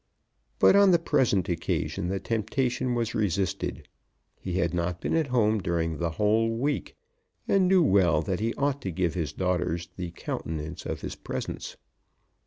But on the present occasion the temptation was resisted. He had not been at home during the whole week, and knew well that he ought to give his daughters the countenance of his presence.